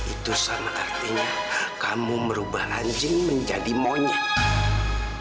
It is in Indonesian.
itu sangat artinya kamu merubah anjing menjadi monyet